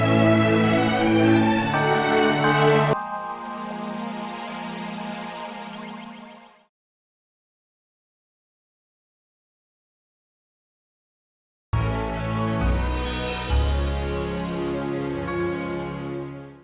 jangan pisah ya bu